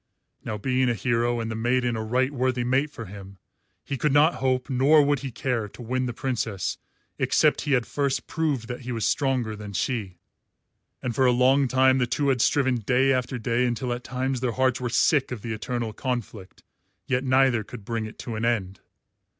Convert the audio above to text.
Now, being a hero, and the maiden a right worthy mate for him, he could not hope, nor would he care, to win the Princess except he had first proved that he was stronger than she; and for a long time the two had striven day after day until at times their hearts were sick of the eternal conflict, yet neither could bring it to an end.